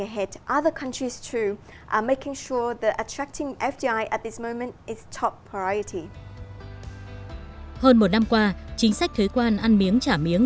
hơn một năm qua chính sách thuế quan ăn miếng trả miếng